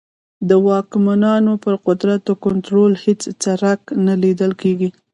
د واکمنانو پر قدرت د کنټرول هېڅ څرک نه لیدل کېږي.